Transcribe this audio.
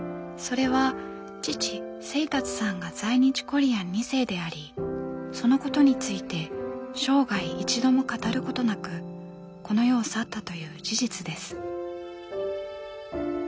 それは父清達さんが在日コリアン２世でありそのことについて生涯一度も語ることなくこの世を去ったという事実です。